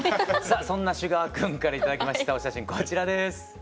さあそんなシュガー君から頂きましたお写真こちらです！